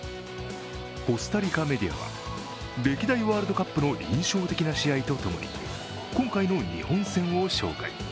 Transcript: コスタリカメディアは、歴代ワールドカップの印象的な試合とともに今回の日本戦を紹介。